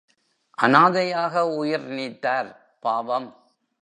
அனாதையாக உயிர் நீத்தார் பாவம்!